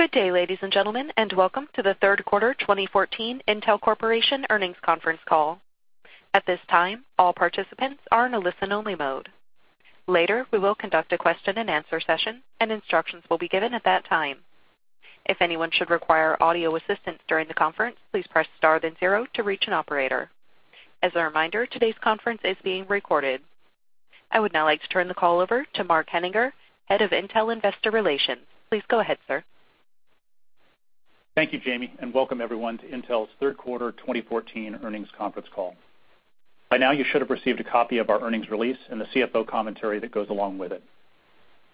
Good day, ladies and gentlemen. Welcome to the third quarter 2014 Intel Corporation earnings conference call. At this time, all participants are in a listen-only mode. Later, we will conduct a question-and-answer session. Instructions will be given at that time. If anyone should require audio assistance during the conference, please press star then zero to reach an operator. As a reminder, today's conference is being recorded. I would now like to turn the call over to Mark Henninger, Head of Intel Investor Relations. Please go ahead, sir. Thank you, Jamie. Welcome everyone to Intel's third quarter 2014 earnings conference call. By now, you should have received a copy of our earnings release and the CFO commentary that goes along with it.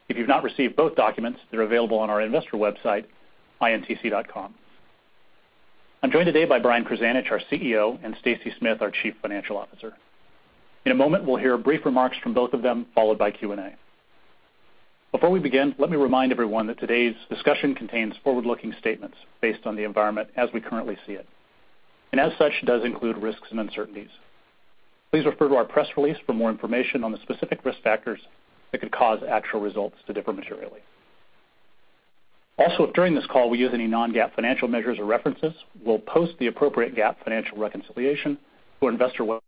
If you've not received both documents, they're available on our investor website, intc.com. I'm joined today by Brian Krzanich, our CEO, and Stacy Smith, our Chief Financial Officer. In a moment, we'll hear brief remarks from both of them, followed by Q&A. Before we begin, let me remind everyone that today's discussion contains forward-looking statements based on the environment as we currently see it, and as such, does include risks and uncertainties. Please refer to our press release for more information on the specific risk factors that could cause actual results to differ materially. Also, if during this call we use any non-GAAP financial measures or references, we'll post the appropriate GAAP financial reconciliation to our investor web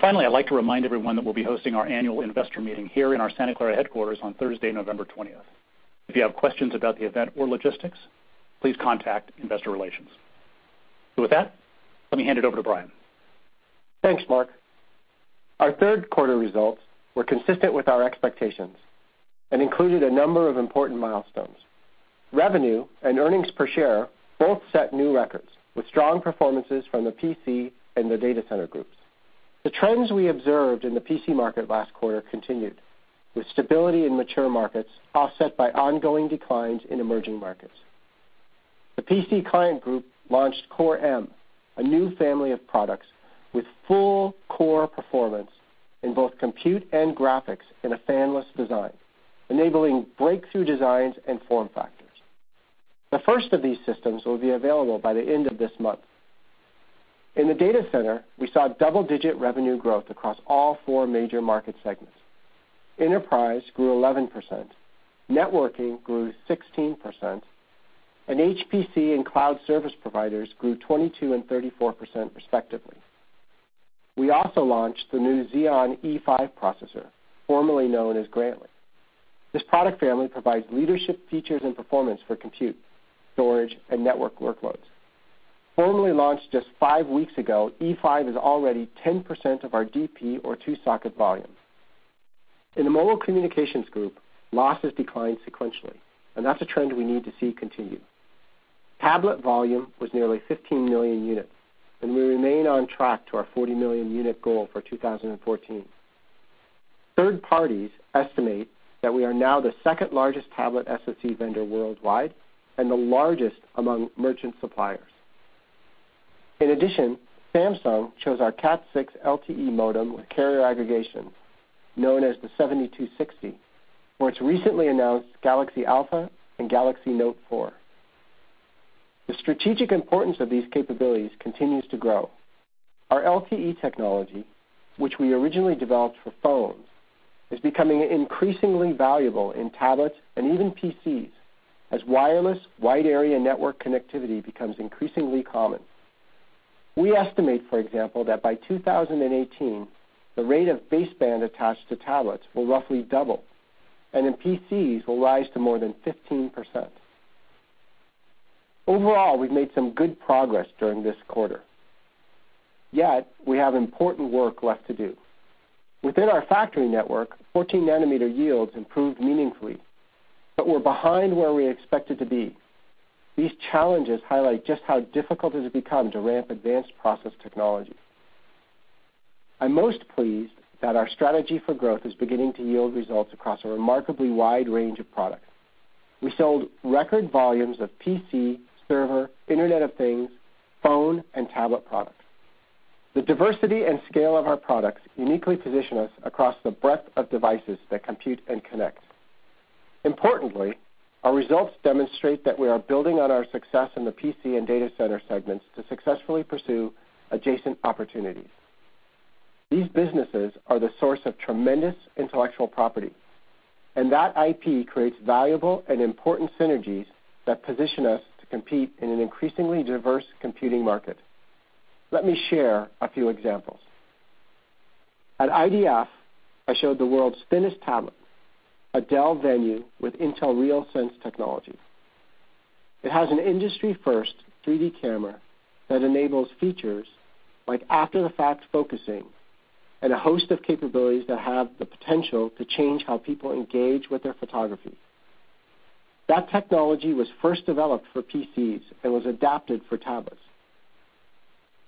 intc.com. Finally, I'd like to remind everyone that we'll be hosting our annual investor meeting here in our Santa Clara headquarters on Thursday, November 20th. If you have questions about the event or logistics, please contact investor relations. With that, let me hand it over to Brian. Thanks, Mark. Our third quarter results were consistent with our expectations and included a number of important milestones. Revenue and earnings per share both set new records, with strong performances from the PC and the Data Center Group. The trends we observed in the PC market last quarter continued, with stability in mature markets offset by ongoing declines in emerging markets. The Client Computing Group launched Core M, a new family of products with full core performance in both compute and graphics in a fan-less design, enabling breakthrough designs and form factors. The first of these systems will be available by the end of this month. In the Data Center Group, we saw double-digit revenue growth across all four major market segments. Enterprise grew 11%, networking grew 16%, and HPC and cloud service providers grew 22% and 34%, respectively. We also launched the new Xeon E5 processor, formerly known as Grantley. This product family provides leadership features and performance for compute, storage, and network workloads. Formally launched just five weeks ago, E5 is already 10% of our DP or two-socket volume. In the Mobile and Communications Group, losses declined sequentially, that's a trend we need to see continue. Tablet volume was nearly 15 million units, and we remain on track to our 40-million unit goal for 2014. Third parties estimate that we are now the second-largest tablet SoC vendor worldwide and the largest among merchant suppliers. In addition, Samsung chose our Cat 6 LTE modem with carrier aggregation, known as the 7260, for its recently announced Galaxy Alpha and Galaxy Note 4. The strategic importance of these capabilities continues to grow. Our LTE technology, which we originally developed for phones, is becoming increasingly valuable in tablets and even PCs, as wireless wide area network connectivity becomes increasingly common. We estimate, for example, that by 2018, the rate of baseband attached to tablets will roughly double, and in PCs will rise to more than 15%. Overall, we've made some good progress during this quarter, yet we have important work left to do. Within our factory network, 14-nanometer yields improved meaningfully, but we're behind where we expected to be. These challenges highlight just how difficult it has become to ramp advanced process technology. I'm most pleased that our strategy for growth is beginning to yield results across a remarkably wide range of products. We sold record volumes of PC, server, Internet of Things, phone, and tablet products. The diversity and scale of our products uniquely position us across the breadth of devices that compute and connect. Importantly, our results demonstrate that we are building on our success in the PC and Data Center segments to successfully pursue adjacent opportunities. These businesses are the source of tremendous intellectual property, and that IP creates valuable and important synergies that position us to compete in an increasingly diverse computing market. Let me share a few examples. At IDF, I showed the world's thinnest tablet, a Dell Venue with Intel RealSense technology. It has an industry-first 3D camera that enables features like after-the-fact focusing and a host of capabilities that have the potential to change how people engage with their photography. That technology was first developed for PCs and was adapted for tablets.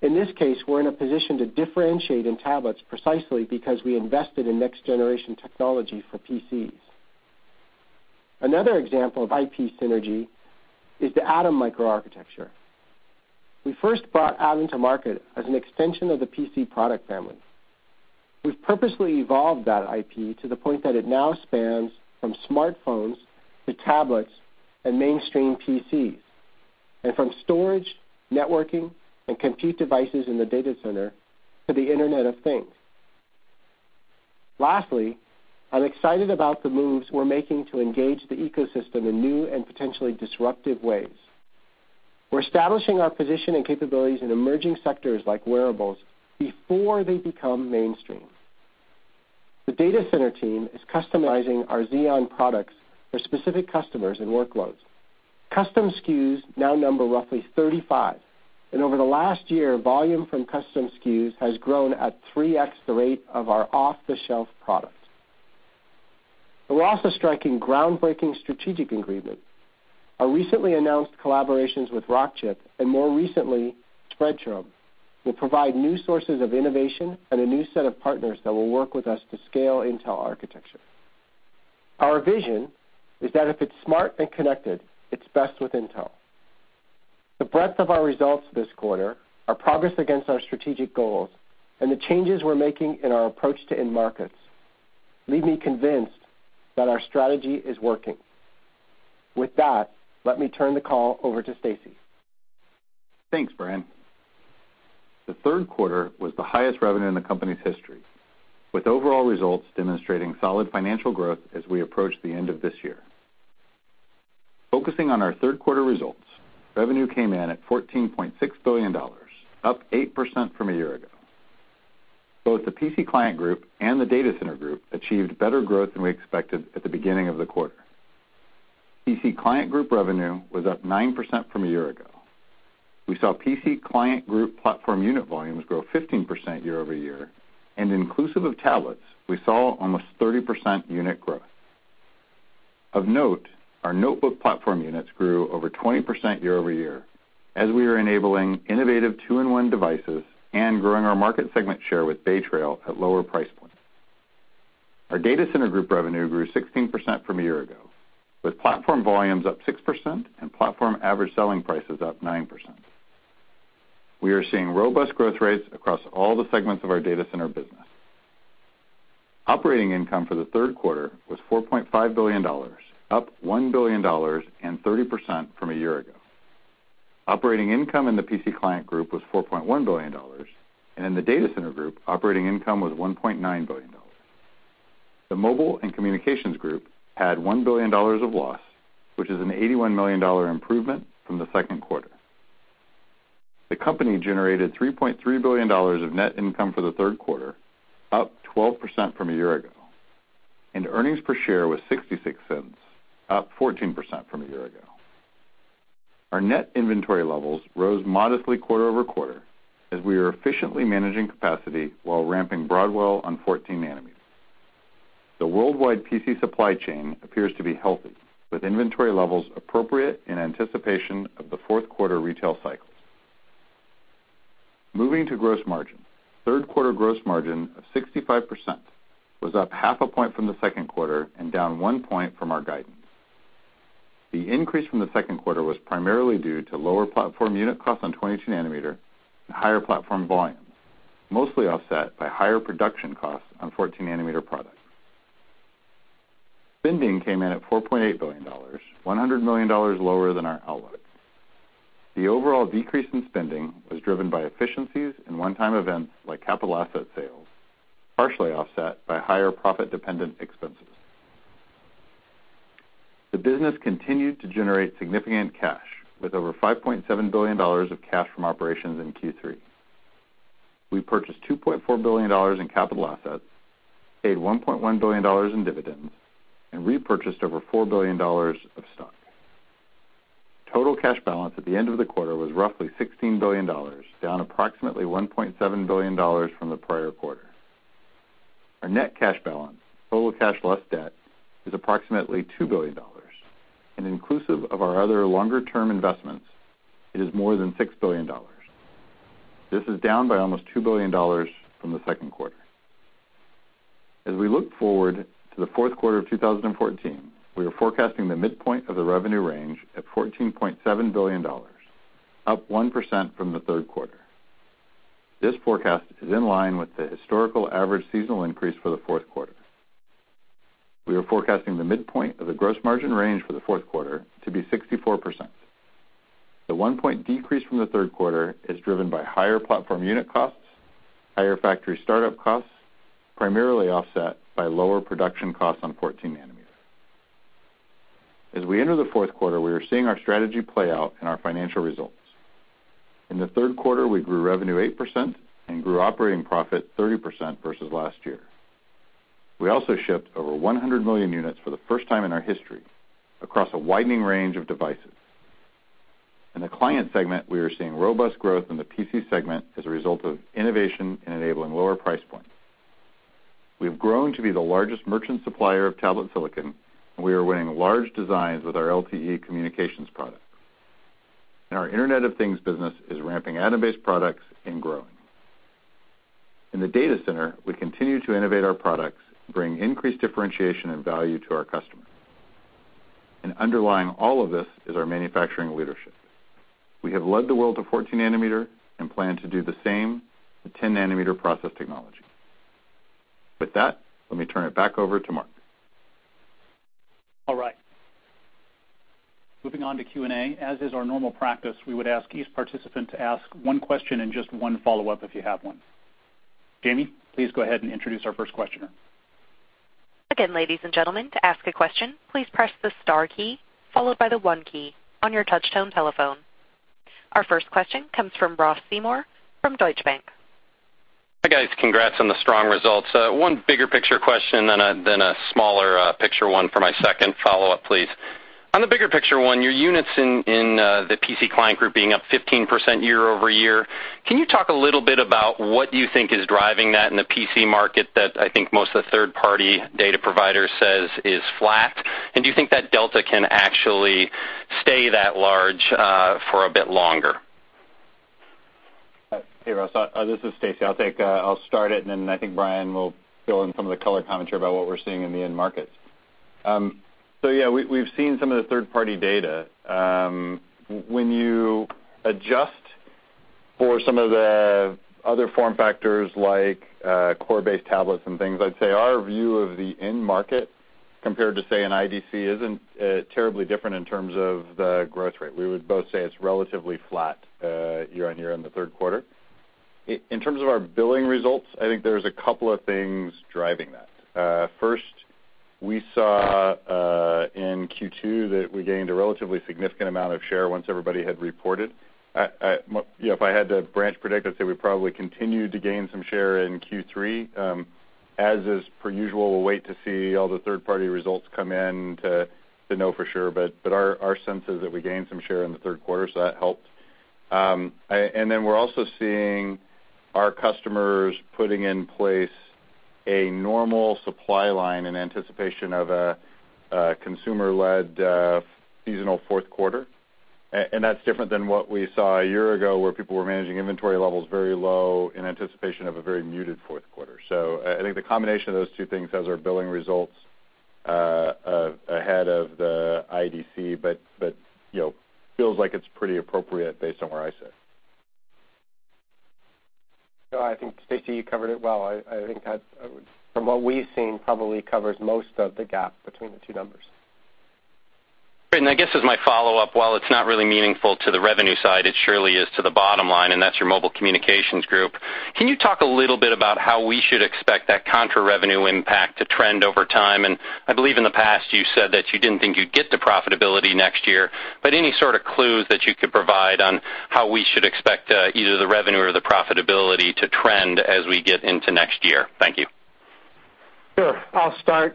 In this case, we're in a position to differentiate in tablets precisely because we invested in next-generation technology for PCs. Another example of IP synergy is the Atom microarchitecture. We first brought Atom to market as an extension of the PC product family. We've purposely evolved that IP to the point that it now spans from smartphones to tablets and mainstream PCs. From storage, networking, and compute devices in the data center to the Internet of Things. Lastly, I'm excited about the moves we're making to engage the ecosystem in new and potentially disruptive ways. We're establishing our position and capabilities in emerging sectors like wearables before they become mainstream. The Data Center team is customizing our Xeon products for specific customers and workloads. Custom SKUs now number roughly 35, and over the last year, volume from custom SKUs has grown at 3x the rate of our off-the-shelf products. We're also striking groundbreaking strategic agreements. Our recently announced collaborations with Rockchip, and more recently, Spreadtrum, will provide new sources of innovation and a new set of partners that will work with us to scale Intel architecture. Our vision is that if it's smart and connected, it's best with Intel. The breadth of our results this quarter, our progress against our strategic goals, and the changes we're making in our approach to end markets, leave me convinced that our strategy is working. With that, let me turn the call over to Stacy. Thanks, Brian. The third quarter was the highest revenue in the company's history, with overall results demonstrating solid financial growth as we approach the end of this year. Focusing on our third quarter results, revenue came in at $14.6 billion, up 8% from a year ago. Both the Client Computing Group and the Data Center Group achieved better growth than we expected at the beginning of the quarter. Client Computing Group revenue was up 9% from a year ago. We saw Client Computing Group platform unit volumes grow 15% year-over-year, and inclusive of tablets, we saw almost 30% unit growth. Of note, our notebook platform units grew over 20% year-over-year as we are enabling innovative 2-in-1 devices and growing our market segment share with Bay Trail at lower price points. Our Data Center Group revenue grew 16% from a year ago, with platform volumes up 6% and platform average selling prices up 9%. We are seeing robust growth rates across all the segments of our data center business. Operating income for the third quarter was $4.5 billion, up $1 billion and 30% from a year ago. Operating income in the Client Computing Group was $4.1 billion, and in the Data Center Group, operating income was $1.9 billion. The Mobile and Communications Group had $1 billion of loss, which is an $81 million improvement from the second quarter. The company generated $3.3 billion of net income for the third quarter, up 12% from a year ago, and earnings per share was $0.66, up 14% from a year ago. Our net inventory levels rose modestly quarter-over-quarter as we are efficiently managing capacity while ramping Broadwell on 14 nanometers. The worldwide PC supply chain appears to be healthy, with inventory levels appropriate in anticipation of the fourth quarter retail cycles. Moving to gross margin. Third quarter gross margin of 65% was up half a point from the second quarter and down one point from our guidance. The increase from the second quarter was primarily due to lower platform unit costs on 22 nanometer and higher platform volumes, mostly offset by higher production costs on 14 nanometer products. Spending came in at $4.8 billion, $100 million lower than our outlook. The overall decrease in spending was driven by efficiencies and one-time events like capital asset sales, partially offset by higher profit-dependent expenses. The business continued to generate significant cash, with over $5.7 billion of cash from operations in Q3. We purchased $2.4 billion in capital assets, paid $1.1 billion in dividends, and repurchased over $4 billion of stock. Total cash balance at the end of the quarter was roughly $16 billion, down approximately $1.7 billion from the prior quarter. Our net cash balance, total cash less debt, is approximately $2 billion, and inclusive of our other longer-term investments, it is more than $6 billion. This is down by almost $2 billion from the second quarter. As we look forward to the fourth quarter of 2014, we are forecasting the midpoint of the revenue range at $14.7 billion, up 1% from the third quarter. This forecast is in line with the historical average seasonal increase for the fourth quarter. We are forecasting the midpoint of the gross margin range for the fourth quarter to be 64%. The one point decrease from the third quarter is driven by higher platform unit costs, higher factory startup costs, primarily offset by lower production costs on 14 nanometer. As we enter the fourth quarter, we are seeing our strategy play out in our financial results. In the third quarter, we grew revenue 8% and grew operating profit 30% versus last year. We also shipped over 100 million units for the first time in our history across a widening range of devices. In the client segment, we are seeing robust growth in the PC segment as a result of innovation and enabling lower price points. We have grown to be the largest merchant supplier of tablet silicon, and we are winning large designs with our LTE communications products. Our Internet of Things business is ramping Atom-based products and growing. In the data center, we continue to innovate our products, bring increased differentiation and value to our customers. Underlying all of this is our manufacturing leadership. We have led the world to 14 nanometer and plan to do the same with 10 nanometer process technology. With that, let me turn it back over to Mark. All right. Moving on to Q&A. As is our normal practice, we would ask each participant to ask one question and just one follow-up if you have one. Jamie, please go ahead and introduce our first questioner. Again, ladies and gentlemen, to ask a question, please press the star key, followed by the one key on your touch tone telephone. Our first question comes from Ross Seymore from Deutsche Bank. Hi, guys. Congrats on the strong results. One bigger picture question than a smaller picture one for my second follow-up, please. On the bigger picture one, your units in the Client Computing Group being up 15% year-over-year, can you talk a little bit about what you think is driving that in the PC market that I think most of the third-party data provider says is flat? Do you think that delta can actually stay that large for a bit longer? Hey, Ross. This is Stacy. I'll start it, then I think Brian will fill in some of the color commentary about what we're seeing in the end markets. Yeah, we've seen some of the third-party data. When you adjust for some of the other form factors like core-based tablets and things, I'd say our view of the end market, compared to, say, an IDC, isn't terribly different in terms of the growth rate. We would both say it's relatively flat year-on-year in the third quarter. In terms of our billing results, I think there's a couple of things driving that. First, we saw in Q2 that we gained a relatively significant amount of share once everybody had reported. If I had to branch predict, I'd say we probably continued to gain some share in Q3. As is per usual, we'll wait to see all the third-party results come in to know for sure, our sense is that we gained some share in the third quarter, that helped. We're also seeing our customers putting in place a normal supply line in anticipation of a consumer-led seasonal fourth quarter, that's different than what we saw a year ago, where people were managing inventory levels very low in anticipation of a very muted fourth quarter. I think the combination of those two things has our billing results ahead of the IDC, but feels like it's pretty appropriate based on where I sit. No, I think, Stacy, you covered it well. I think that, from what we've seen, probably covers most of the gap between the two numbers. I guess as my follow-up, while it's not really meaningful to the revenue side, it surely is to the bottom line, and that's your Mobile Communications Group. Can you talk a little bit about how we should expect that contra revenue impact to trend over time? I believe in the past you said that you didn't think you'd get to profitability next year, but any sort of clues that you could provide on how we should expect either the revenue or the profitability to trend as we get into next year? Thank you. Sure. I'll start,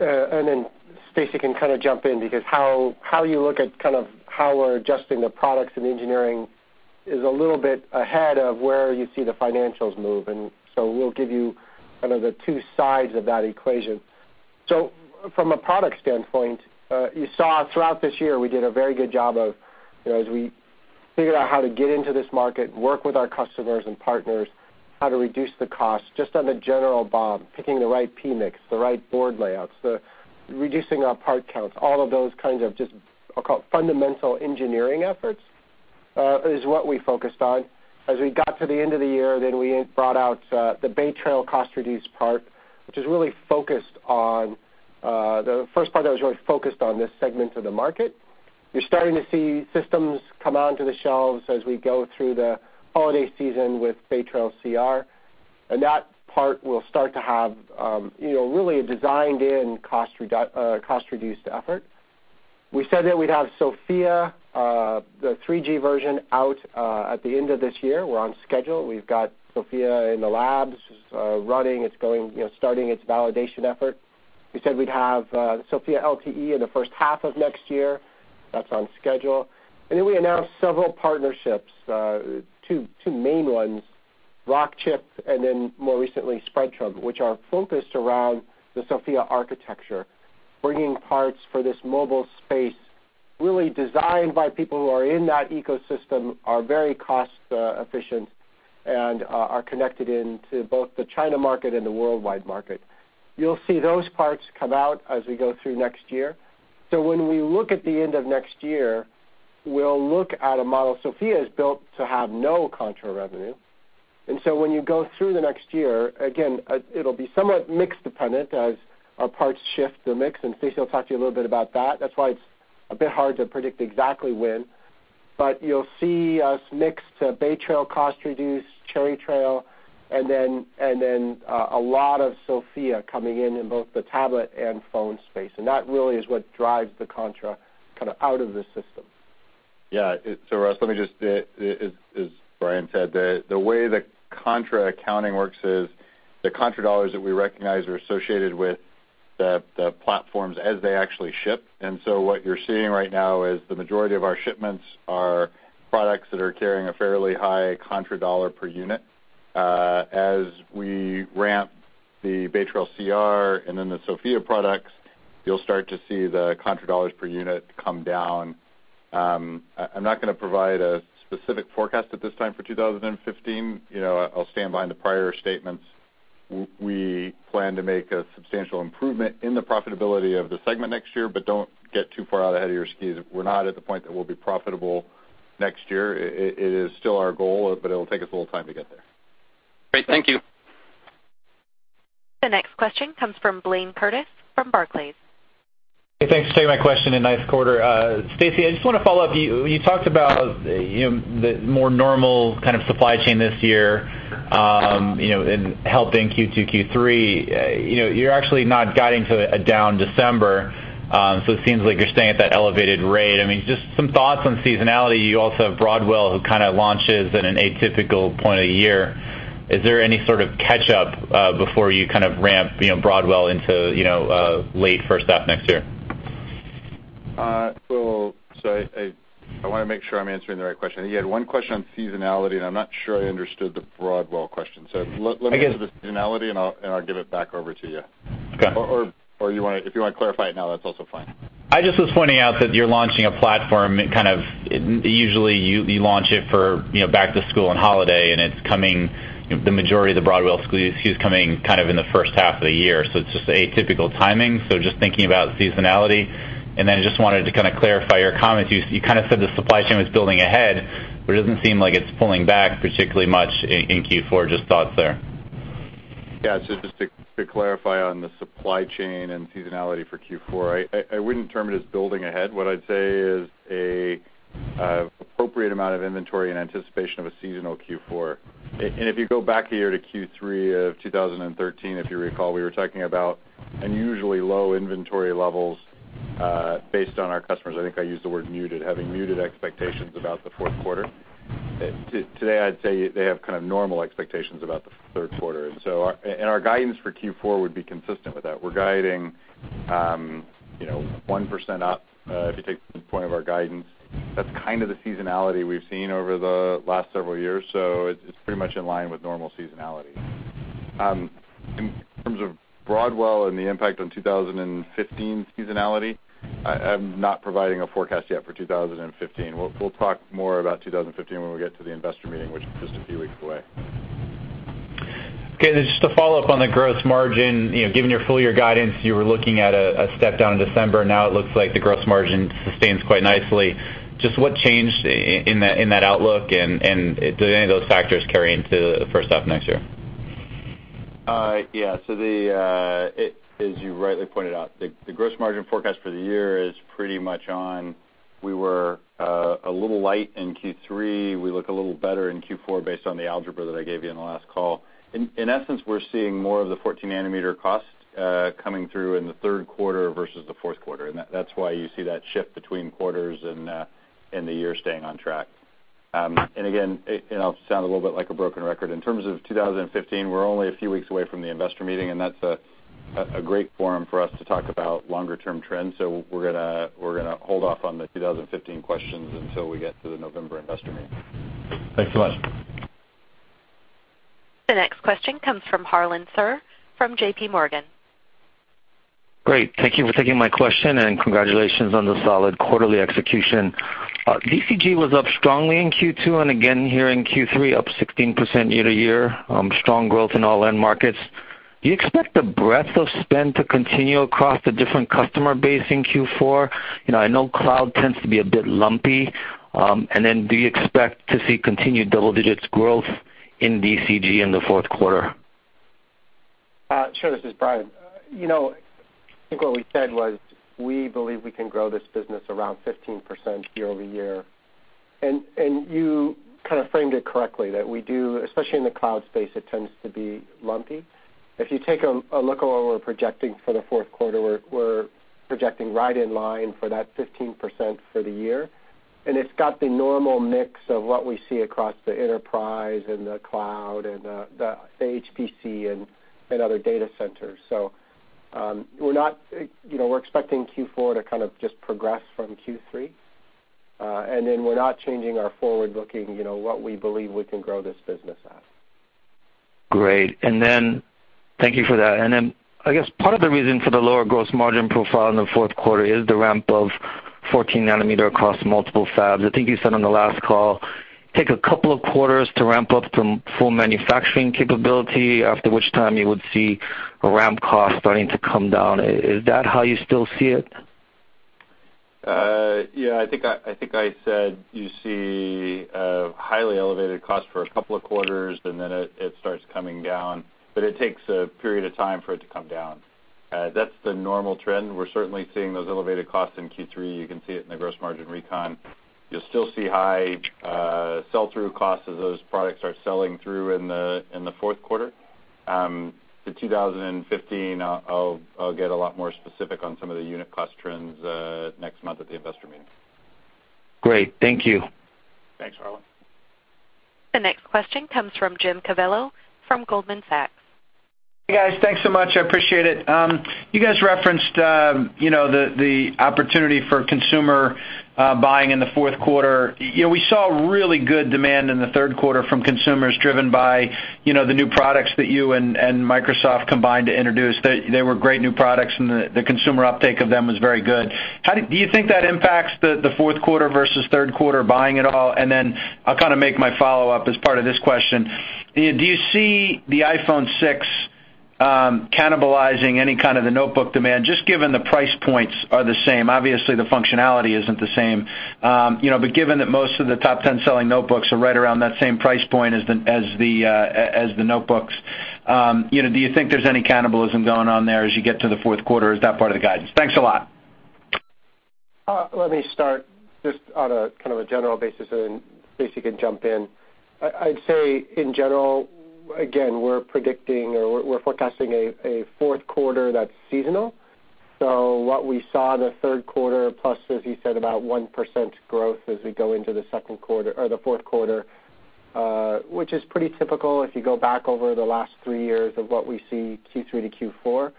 Stacy can jump in, because how you look at how we're adjusting the products and engineering is a little bit ahead of where you see the financials move. We'll give you the two sides of that equation. From a product standpoint, you saw throughout this year, we did a very good job of as we figured out how to get into this market, work with our customers and partners, how to reduce the cost, just on the general BOM, picking the right PMIC, the right board layouts, reducing our part counts, all of those kinds of just, I'll call it, fundamental engineering efforts, is what we focused on. As we got to the end of the year, then we brought out the Bay Trail cost reduced part, the first part that was really focused on this segment of the market. You're starting to see systems come onto the shelves as we go through the holiday season with Bay Trail CR, and that part will start to have really a designed in cost reduced effort. We said that we'd have SoFIA, the 3G version, out at the end of this year. We're on schedule. We've got SoFIA in the labs, running. It's starting its validation effort. We said we'd have SoFIA LTE in the first half of next year. That's on schedule. We announced several partnerships, two main ones, Rockchip and then more recently Spreadtrum, which are focused around the SoFIA architecture, bringing parts for this mobile space really designed by people who are in that ecosystem, are very cost efficient, and are connected into both the China market and the worldwide market. You'll see those parts come out as we go through next year. When we look at the end of next year, we'll look at a model. SoFIA is built to have no contra revenue. When you go through the next year, again, it'll be somewhat mix dependent as our parts shift the mix, and Stacy will talk to you a little bit about that. That's why it's a bit hard to predict exactly when. You'll see us mix Bay Trail cost reduce, Cherry Trail, and then a lot of SoFIA coming in both the tablet and phone space. That really is what drives the contra out of the system. Yeah. Ross, let me just, as Brian said, the way the contra accounting works is the contra dollars that we recognize are associated with the platforms as they actually ship. What you're seeing right now is the majority of our shipments are products that are carrying a fairly high contra dollar per unit. As we ramp the Bay Trail CR and then the SoFIA products, you'll start to see the contra dollars per unit come down. I'm not going to provide a specific forecast at this time for 2015. I'll stand behind the prior statements. We plan to make a substantial improvement in the profitability of the segment next year, don't get too far out ahead of your skis. We're not at the point that we'll be profitable next year. It is still our goal, it'll take us a little time to get there. Great. Thank you. The next question comes from Blayne Curtis from Barclays. Hey, thanks for taking my question, and nice quarter. Stacy, I just want to follow up. You talked about the more normal kind of supply chain this year, and helping Q2, Q3. You're actually not guiding to a down December, so it seems like you're staying at that elevated rate. Just some thoughts on seasonality. You also have Broadwell, who kind of launches at an atypical point of the year. Is there any sort of catch-up before you kind of ramp Broadwell into late first half next year? I want to make sure I'm answering the right question. You had one question on seasonality, and I'm not sure I understood the Broadwell question. let me- I guess- answer the seasonality, and I'll give it back over to you. Okay. If you want to clarify it now, that's also fine. I just was pointing out that you're launching a platform, usually you launch it for back to school and holiday, and the majority of the Broadwell SKUs coming in the first half of the year, so it's just atypical timing. Just thinking about seasonality, and then I just wanted to clarify your comments. You said the supply chain was building ahead, but it doesn't seem like it's pulling back particularly much in Q4. Just thoughts there. Yeah. Just to clarify on the supply chain and seasonality for Q4, I wouldn't term it as building ahead. What I'd say is appropriate amount of inventory in anticipation of a seasonal Q4. If you go back a year to Q3 of 2013, if you recall, we were talking about unusually low inventory levels, based on our customers, I think I used the word muted, having muted expectations about the fourth quarter. Today, I'd say they have kind of normal expectations about the third quarter. Our guidance for Q4 would be consistent with that. We're guiding 1% up, if you take the point of our guidance, that's kind of the seasonality we've seen over the last several years, so it's pretty much in line with normal seasonality. In terms of Broadwell and the impact on 2015 seasonality, I'm not providing a forecast yet for 2015. We'll talk more about 2015 when we get to the investor meeting, which is just a few weeks away. Okay, just to follow up on the gross margin. Given your full year guidance, you were looking at a step down in December. Now it looks like the gross margin sustains quite nicely. Just what changed in that outlook, and do any of those factors carry into the first half next year? Yeah. As you rightly pointed out, the gross margin forecast for the year is pretty much on. We were a little light in Q3. We look a little better in Q4 based on the algebra that I gave you in the last call. In essence, we're seeing more of the 14 nanometer costs coming through in the third quarter versus the fourth quarter. That's why you see that shift between quarters and the year staying on track. Again, I'll sound a little bit like a broken record, in terms of 2015, we're only a few weeks away from the investor meeting, and that's a great forum for us to talk about longer term trends. We're going to hold off on the 2015 questions until we get to the November investor meeting. Thanks so much. The next question comes from Harlan Sur from J.P. Morgan. Great. Thank you for taking my question, and congratulations on the solid quarterly execution. DCG was up strongly in Q2 and again here in Q3, up 16% year-over-year. Strong growth in all end markets. Do you expect the breadth of spend to continue across the different customer base in Q4? I know cloud tends to be a bit lumpy. Do you expect to see continued double-digit growth in DCG in the fourth quarter? Sure. This is Brian. I think what we said was we believe we can grow this business around 15% year-over-year. You kind of framed it correctly, that we do, especially in the cloud space, it tends to be lumpy. If you take a look at what we're projecting for the fourth quarter, we're projecting right in line for that 15% for the year, and it's got the normal mix of what we see across the enterprise and the cloud and the HPC and other data centers. We're expecting Q4 to kind of just progress from Q3. We're not changing our forward-looking, what we believe we can grow this business at. Great. Thank you for that. I guess part of the reason for the lower gross margin profile in the fourth quarter is the ramp of 14 nanometer across multiple fabs. I think you said on the last call, take a couple of quarters to ramp up to full manufacturing capability, after which time you would see ramp costs starting to come down. Is that how you still see it? Yeah. I think I said you see a highly elevated cost for a couple of quarters, it starts coming down, it takes a period of time for it to come down. That's the normal trend. We're certainly seeing those elevated costs in Q3. You can see it in the gross margin recon. You'll still see high sell-through costs as those products are selling through in the fourth quarter. To 2015, I'll get a lot more specific on some of the unit cost trends next month at the investor meeting. Great. Thank you. Thanks, Harlan. The next question comes from Jim Covello from Goldman Sachs. Hey, guys. Thanks so much. I appreciate it. You guys referenced the opportunity for consumer buying in the fourth quarter. We saw really good demand in the third quarter from consumers driven by the new products that you and Microsoft combined to introduce. They were great new products, and the consumer uptake of them was very good. Do you think that impacts the fourth quarter versus third quarter buying at all? I'll kind of make my follow-up as part of this question. Do you see the iPhone 6 cannibalizing any kind of the notebook demand, just given the price points are the same? Obviously, the functionality isn't the same. Given that most of the top 10 selling notebooks are right around that same price point as the notebooks, do you think there's any cannibalism going on there as you get to the fourth quarter, or is that part of the guidance? Thanks a lot. Let me start just on a general basis, and Stacy can jump in. I'd say in general, again, we're predicting or we're forecasting a fourth quarter that's seasonal. What we saw in the third quarter, plus, as you said, about 1% growth as we go into the fourth quarter, which is pretty typical if you go back over the last three years of what we see Q3 to Q4.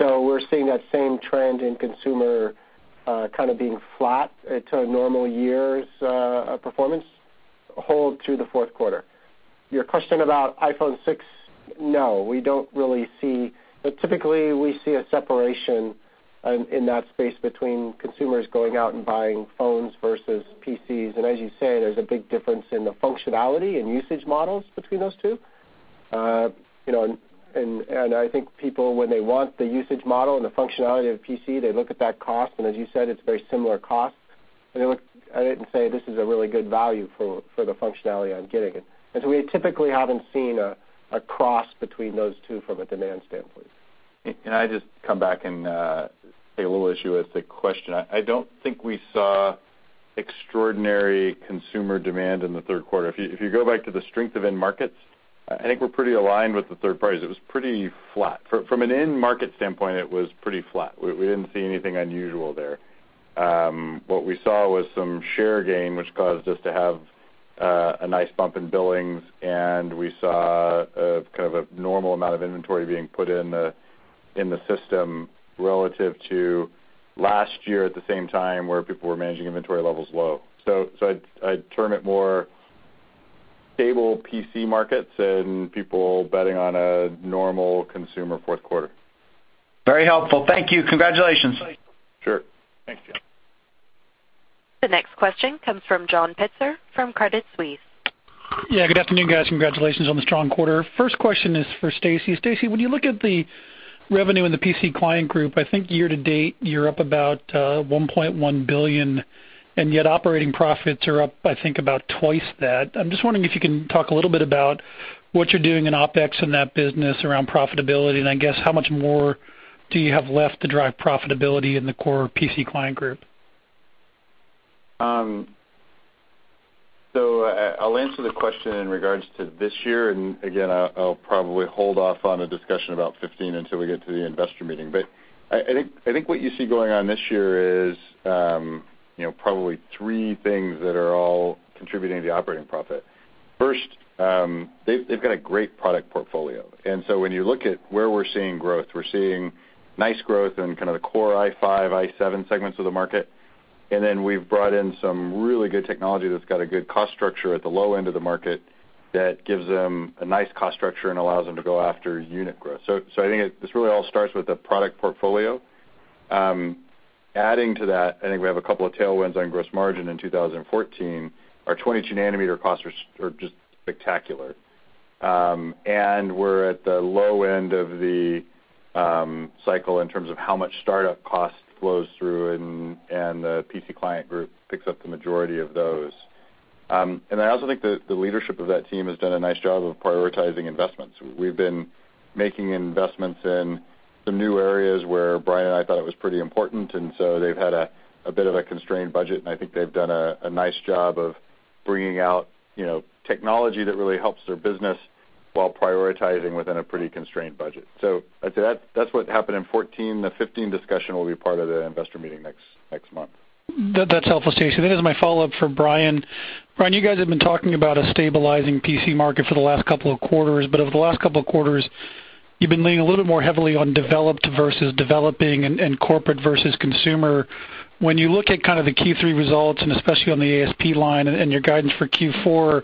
We're seeing that same trend in consumer being flat to a normal year's performance hold through the fourth quarter. Your question about iPhone 6, no. Typically, we see a separation in that space between consumers going out and buying phones versus PCs. As you say, there's a big difference in the functionality and usage models between those two. I think people, when they want the usage model and the functionality of PC, they look at that cost, and as you said, it's very similar cost. They look at it and say, "This is a really good value for the functionality I'm getting." We typically haven't seen a cross between those two from a demand standpoint. Can I just come back and take a little issue with the question? I don't think we saw extraordinary consumer demand in the third quarter. If you go back to the strength of end markets, I think we're pretty aligned with the third parties. It was pretty flat. From an end market standpoint, it was pretty flat. We didn't see anything unusual there. What we saw was some share gain, which caused us to have a nice bump in billings, and we saw a normal amount of inventory being put in the system relative to last year at the same time, where people were managing inventory levels low. I'd term it more stable PC markets and people betting on a normal consumer fourth quarter. Very helpful. Thank you. Congratulations. Sure. Thanks. The next question comes from John Pitzer from Credit Suisse. Yeah, good afternoon, guys. Congratulations on the strong quarter. First question is for Stacy. Stacy, when you look at the revenue in the PC Client Group, I think year to date, you're up about $1.1 billion, and yet operating profits are up, I think, about twice that. I'm just wondering if you can talk a little bit about what you're doing in OpEx in that business around profitability, and I guess how much more do you have left to drive profitability in the core PC Client Group? I'll answer the question in regards to this year, again, I'll probably hold off on a discussion about 2015 until we get to the investor meeting. I think what you see going on this year is probably three things that are all contributing to the operating profit. First, they've got a great product portfolio. When you look at where we're seeing growth, we're seeing nice growth in the Core i5, Core i7 segments of the market, then we've brought in some really good technology that's got a good cost structure at the low end of the market that gives them a nice cost structure and allows them to go after unit growth. I think this really all starts with the product portfolio. Adding to that, I think we have a couple of tailwinds on gross margin in 2014. Our 22 nanometer costs are just spectacular. We're at the low end of the cycle in terms of how much startup cost flows through, the Client Computing Group picks up the majority of those. I also think the leadership of that team has done a nice job of prioritizing investments. We've been making investments in some new areas where Brian and I thought it was pretty important, they've had a bit of a constrained budget, I think they've done a nice job of bringing out technology that really helps their business while prioritizing within a pretty constrained budget. I'd say that's what happened in 2014. The 2015 discussion will be part of the investor meeting next month. That's helpful, Stacy. As my follow-up for Brian. Brian, you guys have been talking about a stabilizing PC market for the last couple of quarters, over the last couple of quarters, you've been leaning a little bit more heavily on developed versus developing and corporate versus consumer. When you look at the Q3 results and especially on the ASP line and your guidance for Q4,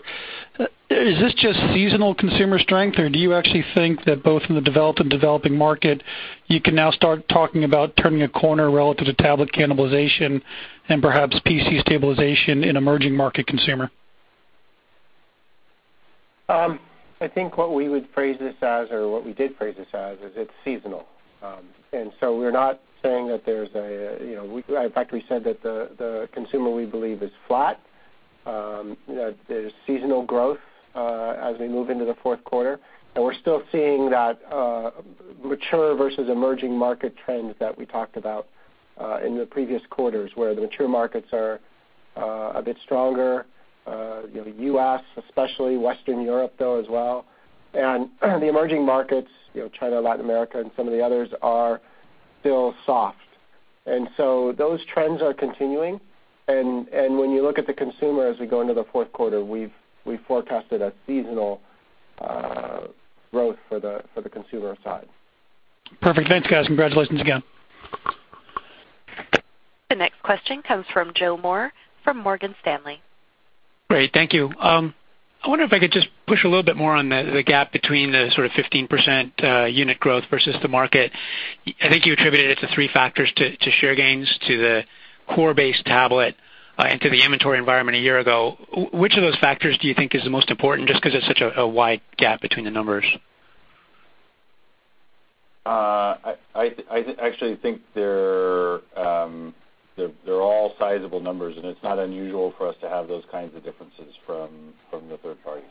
is this just seasonal consumer strength, or do you actually think that both in the developed and developing market, you can now start talking about turning a corner relative to tablet cannibalization and perhaps PC stabilization in emerging market consumer? I think what we would phrase this as, or what we did phrase this as, is it's seasonal. We're not saying that In fact, we said that the consumer, we believe, is flat, that there's seasonal growth as we move into the fourth quarter, we're still seeing that mature versus emerging market trends that we talked about in the previous quarters, where the mature markets are a bit stronger, the U.S. especially, Western Europe, though, as well. The emerging markets, China, Latin America, and some of the others are still soft. Those trends are continuing, when you look at the consumer as we go into the fourth quarter, we've forecasted a seasonal growth for the consumer side. Perfect. Thanks, guys. Congratulations again. The next question comes from Joseph Moore from Morgan Stanley. Great, thank you. I wonder if I could just push a little bit more on the gap between the 15% unit growth versus the market. I think you attributed it to three factors, to share gains, to the core base tablet, and to the inventory environment a year ago. Which of those factors do you think is the most important, just because it's such a wide gap between the numbers? I actually think they're all sizable numbers. It's not unusual for us to have those kinds of differences from the third parties.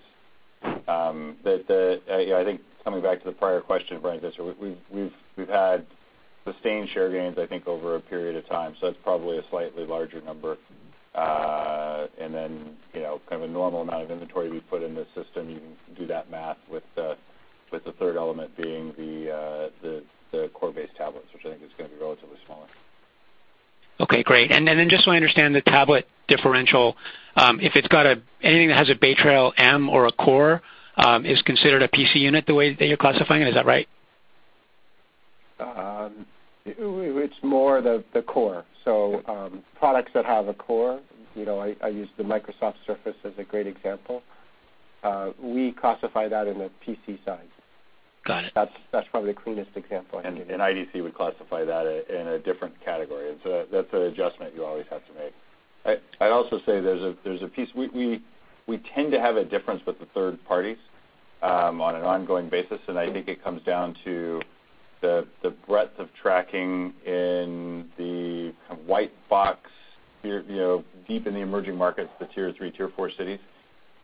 I think coming back to the prior question, Brian answered, we've had sustained share gains, I think, over a period of time. That's probably a slightly larger number. Then kind of a normal amount of inventory we put in the system, you can do that math with the third element being the core-based tablets, which I think is going to be relatively smaller. Okay, great. Then just so I understand the tablet differential, if it's got anything that has a Bay Trail-M or a Core, is considered a PC unit the way that you're classifying it, is that right? It's more the Core. Products that have a Core, I use the Microsoft Surface as a great example. We classify that in the PC side. Got it. That's probably the cleanest example I can give you. IDC would classify that in a different category. That's an adjustment you always have to make. I'd also say there's a piece, we tend to have a difference with the third parties, on an ongoing basis, and I think it comes down to the breadth of tracking in the white box, deep in the emerging markets, the tier 3, tier 4 cities,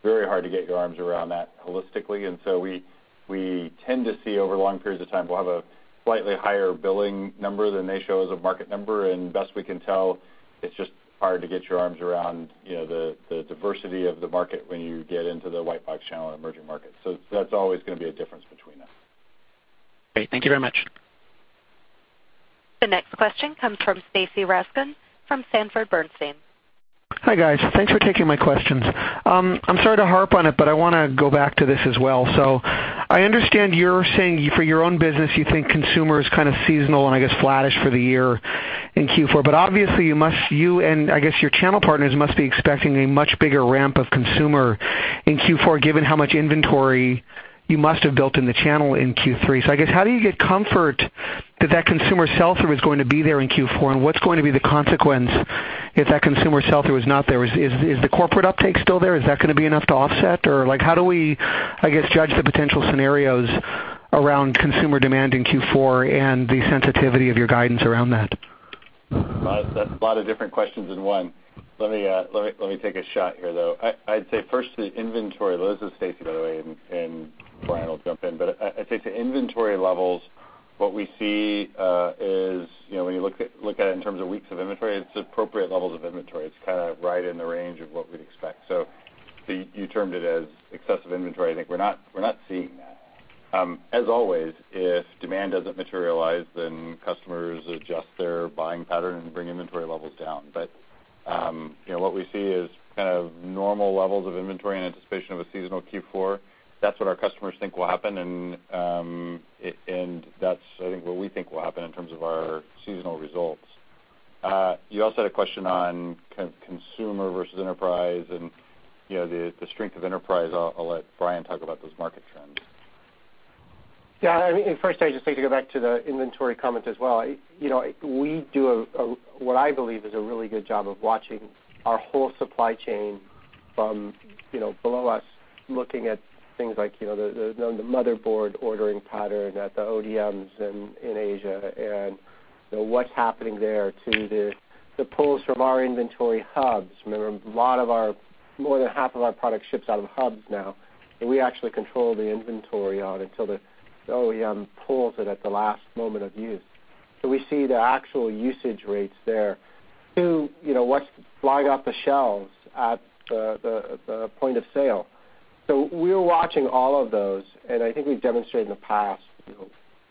very hard to get your arms around that holistically. We tend to see over long periods of time, we'll have a slightly higher billing number than they show as a market number, and best we can tell, it's just hard to get your arms around the diversity of the market when you get into the white box channel in emerging markets. That's always going to be a difference between us. Great. Thank you very much. The next question comes from Stacy Rasgon from Sanford Bernstein. Hi, guys. Thanks for taking my questions. I'm sorry to harp on it, but I want to go back to this as well. I understand you're saying for your own business, you think consumer is kind of seasonal and I guess flattish for the year in Q4. Obviously you and I guess your channel partners must be expecting a much bigger ramp of consumer in Q4, given how much inventory you must have built in the channel in Q3. I guess how do you get comfort that that consumer sell-through is going to be there in Q4, and what's going to be the consequence if that consumer sell-through is not there? Is the corporate uptake still there? Is that going to be enough to offset? How do we, I guess, judge the potential scenarios around consumer demand in Q4 and the sensitivity of your guidance around that? That's a lot of different questions in one. Let me take a shot here, though. I'd say first to the inventory. This is Stacy, by the way, and Brian will jump in. I'd say to inventory levels, what we see is when you look at it in terms of weeks of inventory, it's appropriate levels of inventory. It's kind of right in the range of what we'd expect. You termed it as excessive inventory. I think we're not seeing that. As always, if demand doesn't materialize, then customers adjust their buying pattern and bring inventory levels down. What we see is kind of normal levels of inventory in anticipation of a seasonal Q4. That's what our customers think will happen, and that's I think what we think will happen in terms of our seasonal results. You also had a question on consumer versus enterprise and the strength of enterprise. I'll let Brian talk about those market trends. First, I just need to go back to the inventory comment as well. We do what I believe is a really good job of watching our whole supply chain from below us, looking at things like the motherboard ordering pattern at the ODMs in Asia, and what's happening there to the pulls from our inventory hubs. Remember, more than half of our product ships out of hubs now that we actually control the inventory on until the OEM pulls it at the last moment of use. We see the actual usage rates there to what's flying off the shelves at the point of sale. We're watching all of those, and I think we've demonstrated in the past,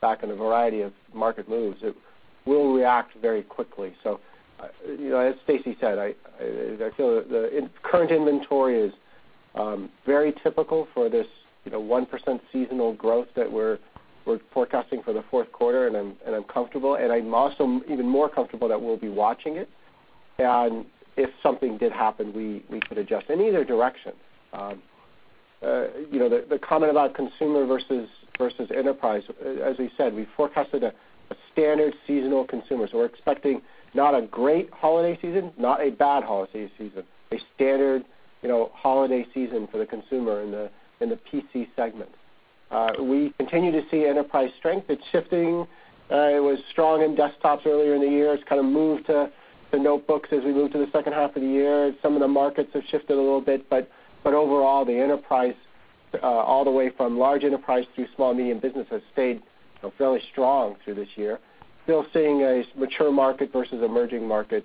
back in a variety of market moves, that we'll react very quickly. As Stacy said, I feel the current inventory is very typical for this 1% seasonal growth that we're forecasting for the fourth quarter. I'm comfortable, I'm also even more comfortable that we'll be watching it, and if something did happen, we could adjust in either direction. The comment about consumer versus enterprise, as we said, we forecasted a standard seasonal consumer. We're expecting not a great holiday season, not a bad holiday season, a standard holiday season for the consumer in the PC segment. We continue to see enterprise strength. It's shifting. It was strong in desktops earlier in the year. It's kind of moved to notebooks as we move to the second half of the year. Some of the markets have shifted a little bit, overall, the enterprise, all the way from large enterprise through small, medium business, has stayed fairly strong through this year. Still seeing a mature market versus emerging market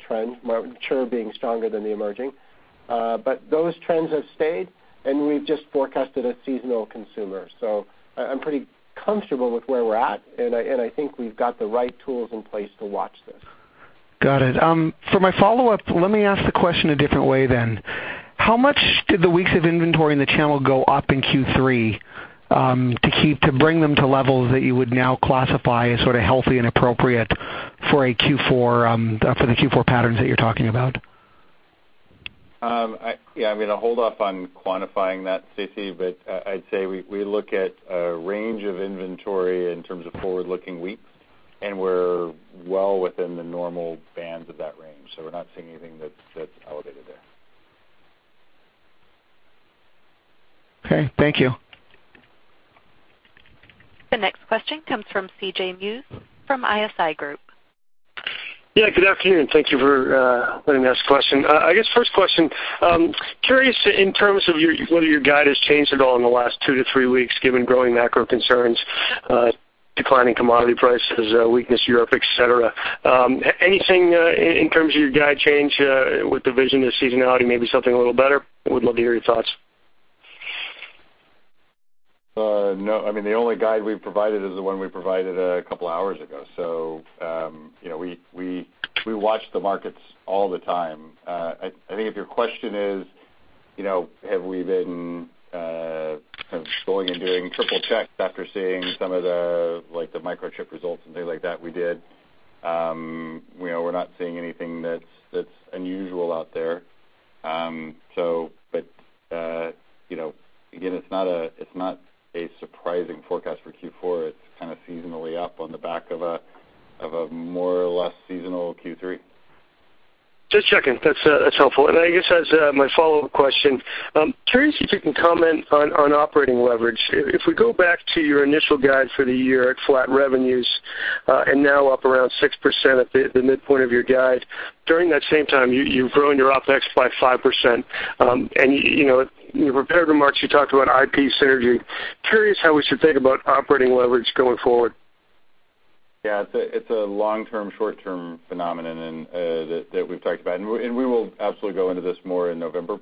trend, mature being stronger than the emerging. Those trends have stayed, we've just forecasted a seasonal consumer. I'm pretty comfortable with where we're at, and I think we've got the right tools in place to watch this. Got it. For my follow-up, let me ask the question a different way then. How much did the weeks of inventory in the channel go up in Q3 to bring them to levels that you would now classify as sort of healthy and appropriate for the Q4 patterns that you're talking about? Yeah, I'm going to hold off on quantifying that, Stacy. I'd say we look at a range of inventory in terms of forward-looking weeks, we're well within the normal bands of that range. We're not seeing anything that's elevated there. Okay. Thank you. The next question comes from C.J. Muse from ISI Group. Yeah. Good afternoon. Thank you for letting me ask a question. I guess first question, curious in terms of whether your guide has changed at all in the last two to three weeks, given growing macro concerns, declining commodity prices, weakness Europe, et cetera. Anything in terms of your guide change, with the vision of seasonality, maybe something a little better? Would love to hear your thoughts. No. The only guide we've provided is the one we provided a couple of hours ago. We watch the markets all the time. I think if your question is, have we been going and doing triple checks after seeing some of the Microchip results and things like that, we did. We're not seeing anything that's unusual out there. Again, it's not a surprising forecast for Q4. It's seasonally up on the back of a more or less seasonal Q3. Just checking. That's helpful. I guess as my follow-up question, curious if you can comment on operating leverage. If we go back to your initial guide for the year at flat revenues, now up around 6% at the midpoint of your guide, during that same time, you've grown your OpEx by 5%. In your prepared remarks, you talked about IP synergy. Curious how we should think about operating leverage going forward. Yeah. It's a long-term/short-term phenomenon that we've talked about. We will absolutely go into this more in November.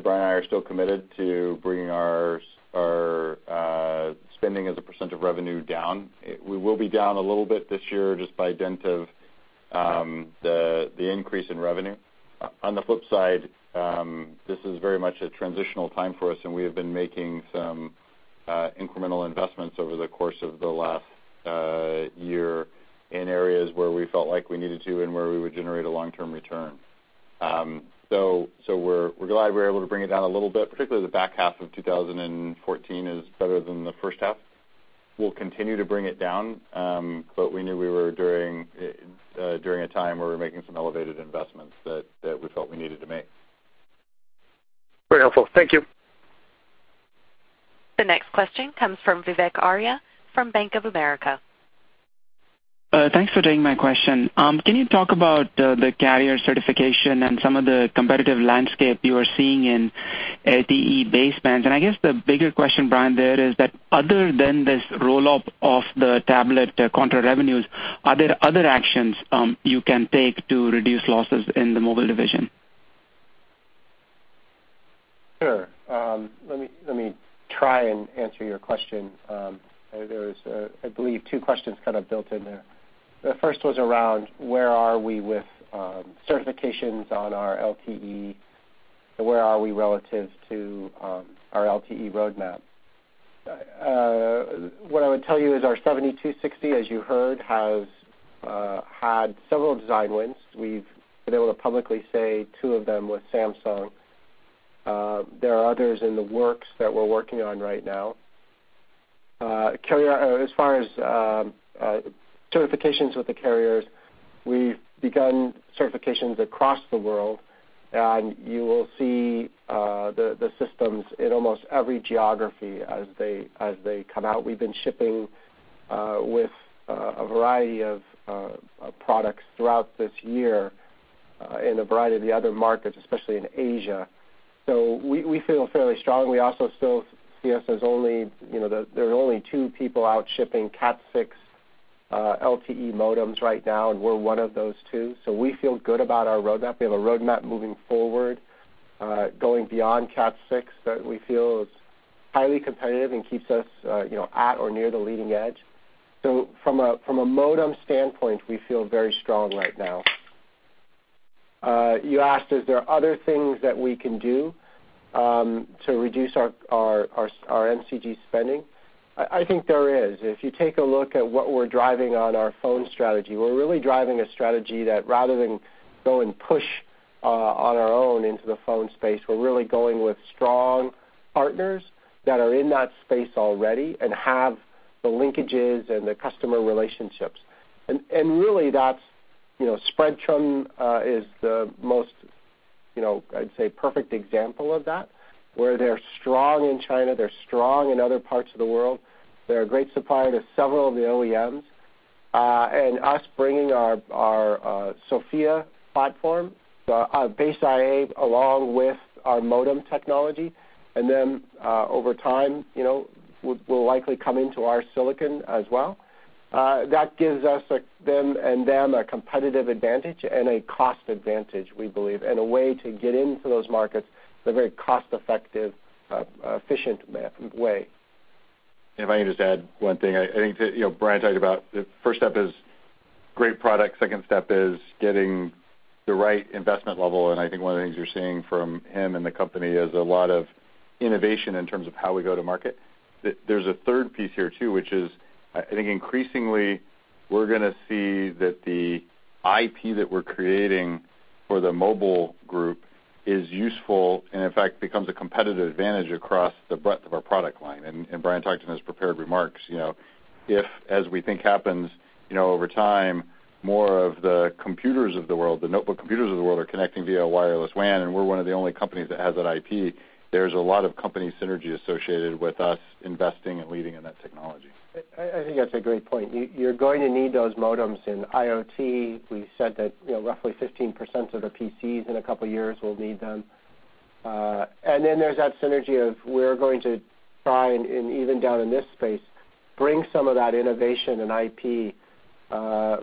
Brian and I are still committed to bringing our spending as a percent of revenue down. We will be down a little bit this year just by dent of the increase in revenue. On the flip side, this is very much a transitional time for us, we have been making some incremental investments over the course of the last year in areas where we felt like we needed to, and where we would generate a long-term return. We're glad we were able to bring it down a little bit, particularly the back half of 2014 is better than the first half. We'll continue to bring it down. We knew we were during a time where we were making some elevated investments that we felt we needed to make. Very helpful. Thank you. The next question comes from Vivek Arya from Bank of America. Thanks for taking my question. Can you talk about the carrier certification and some of the competitive landscape you are seeing in LTE basebands? I guess the bigger question, Brian, there is that other than this roll-up of the tablet contract revenues, are there other actions you can take to reduce losses in the mobile division? Sure. Let me try and answer your question. There is, I believe, two questions built in there. The first was around where are we with certifications on our LTE, and where are we relative to our LTE roadmap. What I would tell you is our 7260, as you heard, has had several design wins. We've been able to publicly say two of them with Samsung. There are others in the works that we're working on right now. As far as certifications with the carriers, we've begun certifications across the world. You will see the systems in almost every geography as they come out. We've been shipping with a variety of products throughout this year in a variety of the other markets, especially in Asia. We feel fairly strong. We also still see there's only two people out shipping Cat 6 LTE modems right now, we feel good about our roadmap. We have a roadmap moving forward, going beyond Cat 6, that we feel is highly competitive and keeps us at or near the leading edge. From a modem standpoint, we feel very strong right now. You asked, is there other things that we can do to reduce our MCG spending? I think there is. If you take a look at what we're driving on our phone strategy, we're really driving a strategy that rather than go and push on our own into the phone space, we're really going with strong partners that are in that space already and have the linkages and the customer relationships. Really, Spreadtrum is the most, I'd say, perfect example of that, where they're strong in China, they're strong in other parts of the world. They're a great supplier to several of the OEMs. Us bringing our SoFIA platform, our Base IA, along with our modem technology, then over time, will likely come into our silicon as well. That gives us and them a competitive advantage and a cost advantage, we believe, and a way to get into those markets in a very cost-effective, efficient way. If I can just add one thing. I think Brian talked about the first step is great product, second step is getting the right investment level, and I think one of the things you're seeing from him and the company is a lot of innovation in terms of how we go to market. There's a third piece here too, which is, I think increasingly, we're going to see that the IP that we're creating for the Mobile Group is useful, and in fact, becomes a competitive advantage across the breadth of our product line. Brian talked in his prepared remarks, if, as we think happens over time, more of the computers of the world, the notebook computers of the world, are connecting via wireless WAN, and we're one of the only companies that has that IP. There's a lot of company synergy associated with us investing and leading in that technology. I think that's a great point. You're going to need those modems in IoT. We said that roughly 15% of the PCs in a couple of years will need them. Then there's that synergy of we're going to try, and even down in this space, bring some of that innovation in IP,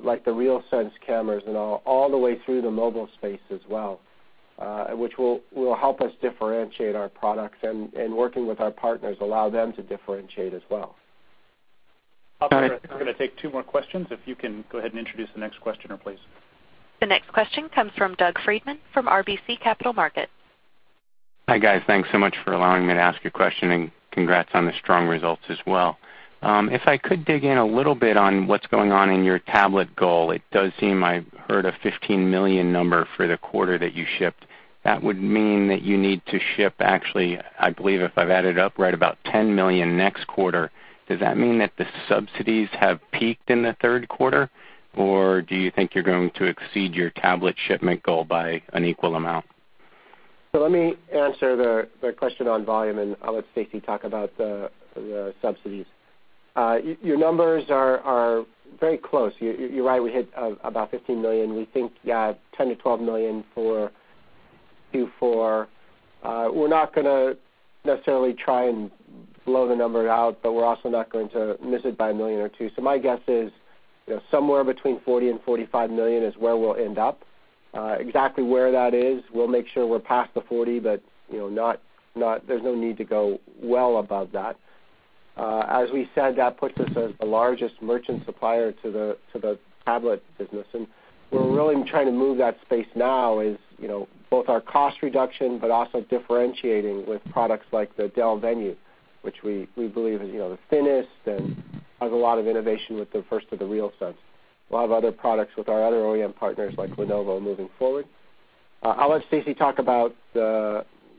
like the RealSense cameras and all the way through the mobile space as well, which will help us differentiate our products and, working with our partners, allow them to differentiate as well. Operator, I think we're going to take two more questions. If you can go ahead and introduce the next questioner, please. The next question comes from Doug Freedman from RBC Capital Markets. Hi, guys. Thanks so much for allowing me to ask a question, congrats on the strong results as well. If I could dig in a little bit on what's going on in your tablet goal. It does seem I heard a $15 million number for the quarter that you shipped. That would mean that you need to ship, actually, I believe if I've added up right, about $10 million next quarter. Does that mean that the subsidies have peaked in the third quarter, or do you think you're going to exceed your tablet shipment goal by an equal amount? Let me answer the question on volume, and I'll let Stacy talk about the subsidies. Your numbers are very close. You're right, we hit about $15 million. We think $10 million-$12 million for Q4. We're not going to necessarily try and blow the number out, but we're also not going to miss it by a million or two. My guess is somewhere between $40 million and $45 million is where we'll end up. Exactly where that is, we'll make sure we're past the 40, there's no need to go well above that. As we said, that puts us as the largest merchant supplier to the tablet business. Where we're really trying to move that space now is both our cost reduction but also differentiating with products like the Dell Venue, which we believe is the thinnest and has a lot of innovation with the first of the RealSense. A lot of other products with our other OEM partners like Lenovo moving forward. I'll let Stacy talk about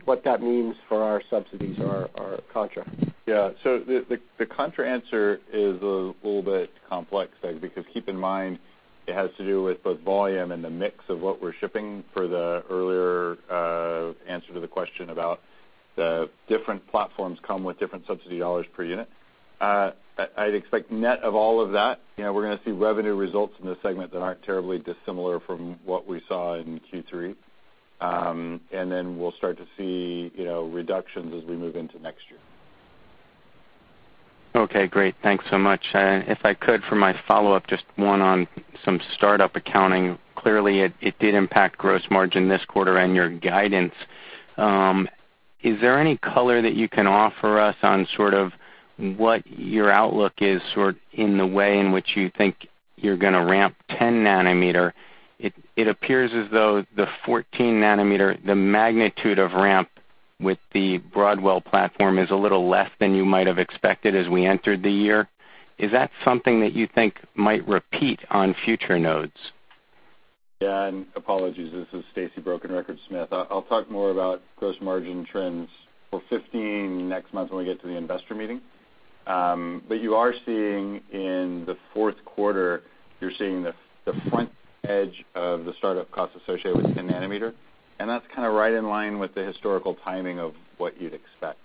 what that means for our subsidies, our contra. Yeah. The contra answer is a little bit complex, Doug, because keep in mind, it has to do with both volume and the mix of what we're shipping for the earlier answer to the question about the different platforms come with different subsidy dollars per unit. I'd expect net of all of that, we're going to see revenue results in this segment that aren't terribly dissimilar from what we saw in Q3. We'll start to see reductions as we move into next year. Okay, great. Thanks so much. If I could, for my follow-up, just one on some startup accounting. Clearly, it did impact gross margin this quarter and your guidance. Is there any color that you can offer us on sort of what your outlook is in the way in which you think you're going to ramp 10 nanometer? It appears as though the 14 nanometer, the magnitude of ramp with the Broadwell platform is a little less than you might have expected as we entered the year. Is that something that you think might repeat on future nodes? Yeah. Apologies. This is Stacy, broken record Smith. I'll talk more about gross margin trends for 2015 next month when we get to the investor meeting. You are seeing in the fourth quarter, you're seeing the front edge of the startup costs associated with 10 nanometer. That's kind of right in line with the historical timing of what you'd expect.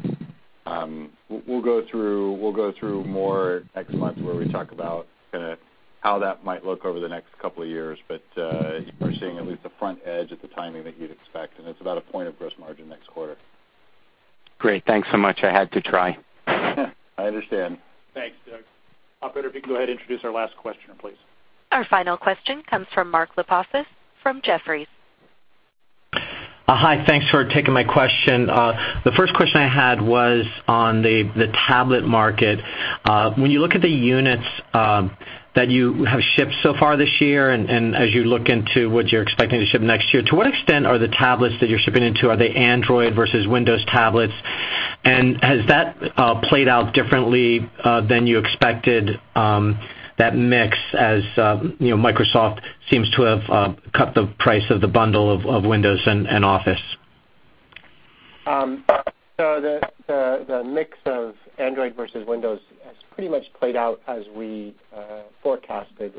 We'll go through more next month where we talk about how that might look over the next couple of years. You are seeing at least the front edge of the timing that you'd expect. It's about a point of gross margin next quarter. Great. Thanks so much. I had to try. I understand. Thanks, Doug. Operator, if you can go ahead and introduce our last questioner, please. Our final question comes from Mark Lipacis from Jefferies. Hi. Thanks for taking my question. The first question I had was on the tablet market. When you look at the units that you have shipped so far this year, and as you look into what you're expecting to ship next year, to what extent are the tablets that you're shipping into, are they Android versus Windows tablets? Has that played out differently than you expected, that mix, as Microsoft seems to have cut the price of the bundle of Windows and Office? The mix of Android versus Windows has pretty much played out as we forecasted.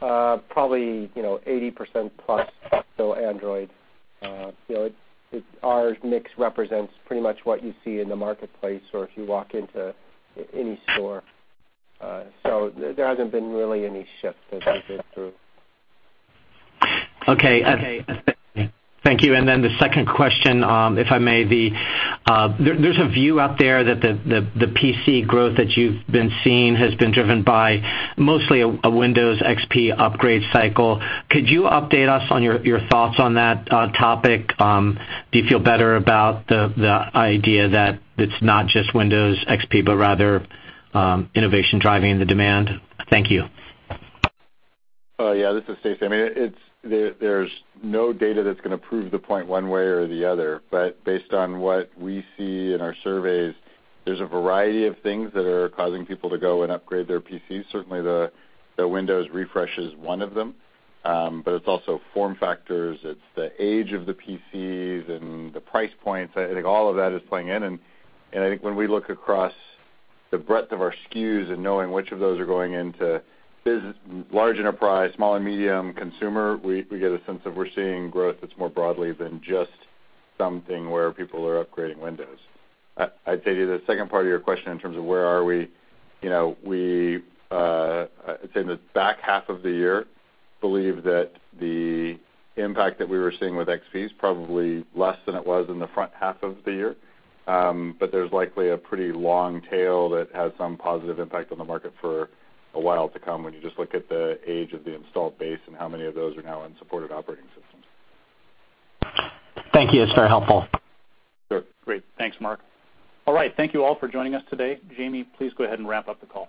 Probably 80% plus still Android. Our mix represents pretty much what you see in the marketplace or if you walk into any store. There hasn't been really any shift as we get through. Okay. Thank you. The second question, if I may be. There's a view out there that the PC growth that you've been seeing has been driven by mostly a Windows XP upgrade cycle. Could you update us on your thoughts on that topic? Do you feel better about the idea that it's not just Windows XP, but rather innovation driving the demand? Thank you. Yeah. This is Stacy. I mean, there's no data that's going to prove the point one way or the other. Based on what we see in our surveys, there's a variety of things that are causing people to go and upgrade their PCs. Certainly, the Windows refresh is one of them, but it's also form factors, it's the age of the PCs, and the price points. I think all of that is playing in, and I think when we look across the breadth of our SKUs and knowing which of those are going into large enterprise, small and medium consumer, we get a sense of we're seeing growth that's more broadly than just something where people are upgrading Windows. I'd say to the second part of your question in terms of where are we. I'd say in the back half of the year, believe that the impact that we were seeing with XP is probably less than it was in the front half of the year. There's likely a pretty long tail that has some positive impact on the market for a while to come when you just look at the age of the installed base and how many of those are now in supported operating systems. Thank you. It's very helpful. Sure. Great. Thanks, Mark. All right. Thank you all for joining us today. Jamie, please go ahead and wrap up the call.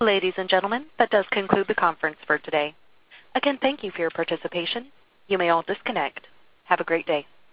Ladies and gentlemen, that does conclude the conference for today. Again, thank you for your participation. You may all disconnect. Have a great day.